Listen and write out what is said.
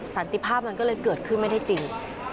สันติภาพมันก็เลยเกิดขึ้นไม่ได้จริง